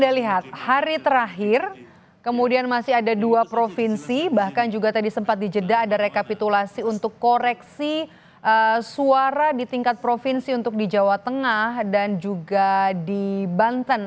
kita lihat hari terakhir kemudian masih ada dua provinsi bahkan juga tadi sempat di jeda ada rekapitulasi untuk koreksi suara di tingkat provinsi untuk di jawa tengah dan juga di banten